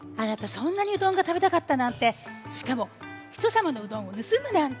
そんなにうどんがたべたかったなんてしかもひとさまのうどんをぬすむなんて！